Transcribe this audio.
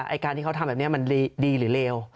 ไอ้การที่เขาทำแบบนี้มันดีหรือเลว